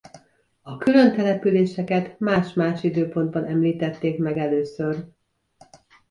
A külön településeket más-más időpontban említették meg először.